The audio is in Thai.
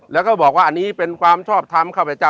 แล้วก็บอกว่าอันนี้เป็นความชอบทำข้าพเจ้า